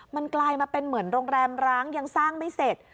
มันกลายมาเป็นเหมือนโรงแรมร้างยังสร้างไม่เสร็จ